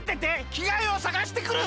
きがえをさがしてくる！